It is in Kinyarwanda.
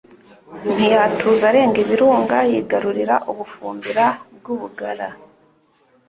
Ntiyatuza, arenga Ibirunga yigarurira u Bufumbira bw'u Bugara.